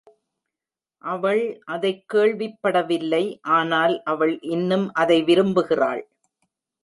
அவள் அதைக் கேள்விப்படவில்லை, ஆனால் அவள் இன்னும் அதை விரும்புகிறாள்.